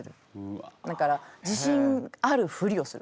だから自信あるふりをする。